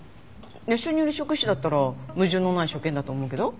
熱傷によるショック死だったら矛盾のない所見だと思うけど？